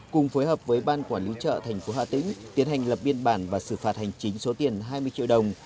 cùng phối hợp với ban quản lý chợ thành phố hà tĩnh tiến hành lập biên bản và xử phạt hành chính số tiền hai mươi triệu đồng